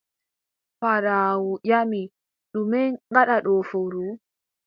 Paaɗaawu ƴami: ɗume ngaɗɗa ɗo fowru?